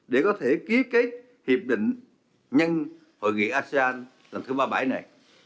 để có thể ký kết hiệp định nhân hội nghị asean lần thứ ba mươi bảy này